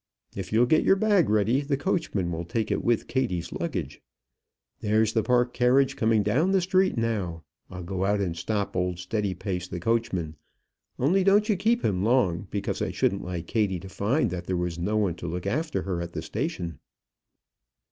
If you'll get your bag ready, the coachman will take it with Kattie's luggage. There's the Park carriage coming down the street now. I'll go out and stop old Steadypace the coachman; only don't you keep him long, because I shouldn't like Kattie to find that there was no one to look after her at the station."